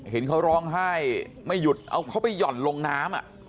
เห็นเขาร้องไห้ไม่หยุดเอาเขาไปห่อนลงน้ำ